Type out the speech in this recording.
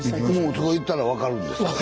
そこ行ったら分かるんですか？